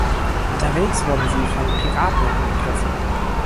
Unterwegs wurden sie von Piraten angegriffen.